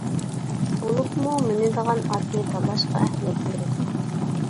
بولۇپمۇ مىنىدىغان ئاتنى تاللاشقا ئەھمىيەت بېرىدۇ.